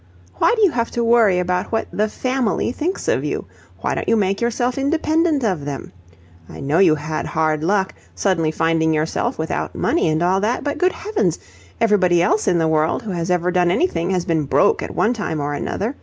Why do you have to worry about what, 'the family' thinks of you? Why don't you make yourself independent of them? I know you had hard luck, suddenly finding yourself without money and all that, but, good heavens, everybody else in the world who has ever done anything has been broke at one time or another.